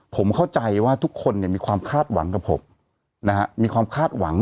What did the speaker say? ผมเข้าใจว่าทุกคนเนี่ยมีความคาดหวังกับผมนะฮะมีความคาดหวัง